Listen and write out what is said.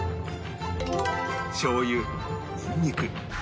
しょう油ニンニク香味